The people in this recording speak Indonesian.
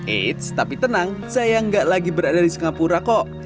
eits tapi tenang saya nggak lagi berada di singapura kok